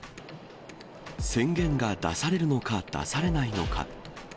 宣言が出されるのか、出されないのか。